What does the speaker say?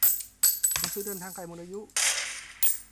หนังสือเดินทางใกล้หมดอายุ